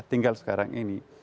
tinggal sekarang ini